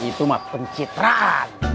itu mak pencitrat